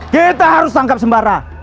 kita harus tangkap sembara